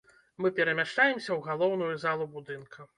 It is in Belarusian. Мы перамяшчаемся ў галоўную залу будынка.